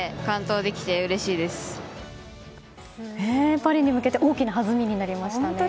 パリに向けて大きな弾みになりましたね。